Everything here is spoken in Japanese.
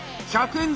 １００円